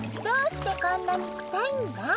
どうしてこんなに臭いんだ？」